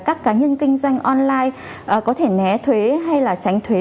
các cá nhân kinh doanh online có thể né thuế hay là tránh thuế